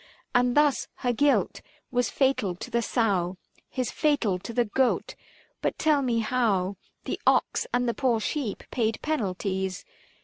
And thus her guilt was fatal to the sow ; His fatal to the goat ; but tell me how 390 The ox, and the poor sheep paid penalties